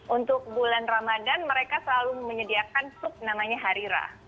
untuk bulan ramadhan mereka selalu menyediakan sup namanya harira